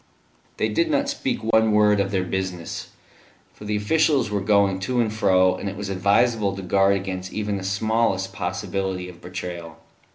They did not speak one word of their business, for the officials were going to and fro, and it was advisable to guard against even the smallest possibility of betrayal.